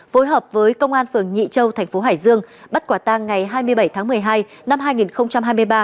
phối hợp với công an phường nhị châu thành phố hải dương bắt quả tang ngày hai mươi bảy tháng một mươi hai năm hai nghìn hai mươi ba